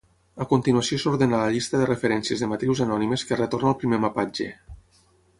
A continuació s'ordena la llista de referències de matrius anònimes que retorna el primer mapatge.